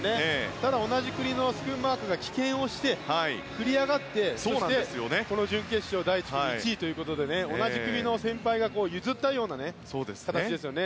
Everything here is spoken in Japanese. ただ同じ国の選手が棄権をして、繰り上がってそしてこの準決勝第１組１位ということで同じ国の先輩が譲ったような形ですよね